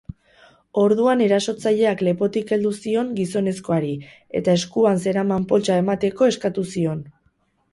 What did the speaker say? Orduan erasotzaileak lepotik heldu zion gizonezkoari eta eskuan zeraman poltsa emateko eskatu zion.